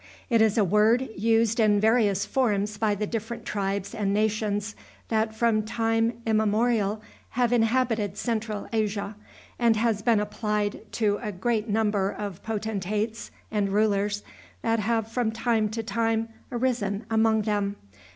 It is a word used in various forms by the different tribes and nations that from time immemorial have inhabited Central Asia, and has been applied to a great number of potentates and rulers that have from time to time arisen among them.